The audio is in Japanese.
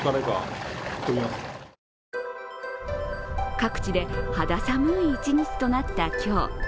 各地で肌寒い一日となった今日。